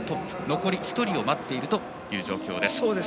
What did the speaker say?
残り１人を待っているという状況です。